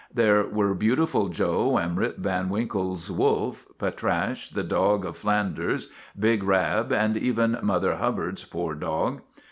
There were Beautiful Joe and Rip Van Winkle's Wolf, Patrasche, the dog of Flanders, big Rab, and even Mother Hubbard's poor dog.